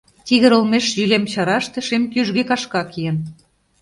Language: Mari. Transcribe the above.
Тигр олмеш йӱлем чараште шем кӱжгӧ кашка киен.